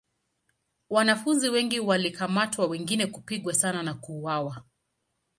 Wanafunzi wengi walikamatwa wengine kupigwa sana na kuuawa.